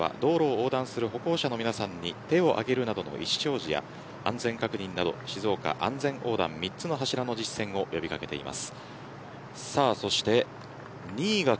静岡県警察では道路を横断する歩行者の皆さんに手を挙げるなどの意思表示安全確認などしずおか安全横断３つの柱の実践を呼び掛けています。